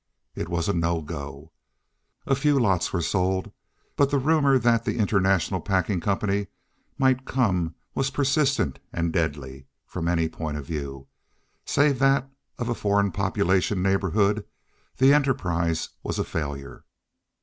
It was "no go." A few lots were sold, but the rumor that the International Packing Company might come was persistent and deadly; from any point of view, save that of a foreign population neighborhood, the enterprise was a failure.